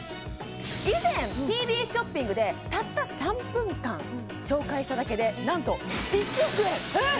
以前ＴＢＳショッピングでたった３分間紹介しただけで何と１億円えっ！